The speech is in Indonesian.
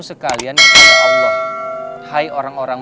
sekalian kepada allah hai orang orang